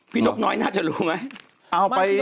นกน้อยน่าจะรู้ไหม